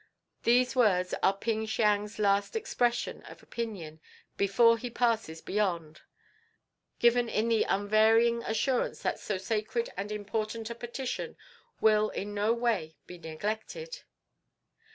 These words are Ping Siang's last expression of opinion before he passes beyond, given in the unvarying assurance that so sacred and important a petition will in no way be neglected."